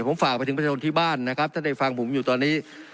ผมฝากไปถึงประชาชนที่บ้านนะครับถ้าได้ฟังผมอยู่ตอนนี้